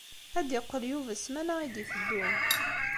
Ad d-iqqel Yuba ssmana i d-iteddun.